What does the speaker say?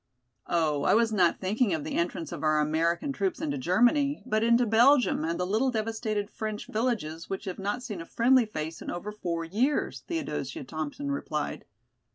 "Oh, I was not thinking of the entrance of our American troops into Germany, but into Belgium and the little devastated French villages which have not seen a friendly face in over four years," Theodosia Thompson replied.